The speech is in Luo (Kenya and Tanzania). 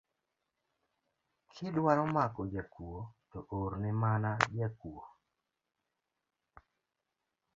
Kidwaro mako jakuo to orne mana jakuo